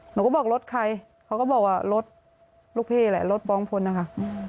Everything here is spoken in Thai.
หนูก็บอกรถใครเขาก็บอกว่ารถลูกพี่แหละรถบองพลนะคะ